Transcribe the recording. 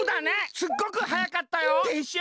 すっごくはやかったよ。でしょ？